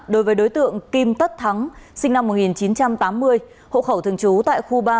đối với đối tượng kim tất thắng sinh năm một nghìn chín trăm tám mươi hộ khẩu thường trú tại khu ba